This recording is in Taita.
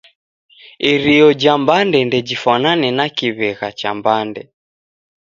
Irio ja mbande ndejifwanane na kiw'egha cha mbande.